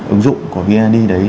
ứng dụng của vnid